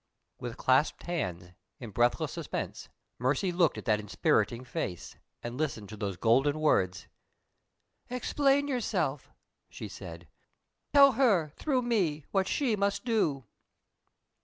With clasped hands, in breathless suspense, Mercy looked at that inspiriting face, and listened to those golden words. "Explain yourself," she said. "Tell her, through me, what she must do."